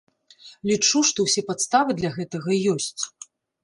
Лічу, што ўсе падставы для гэтага ёсць.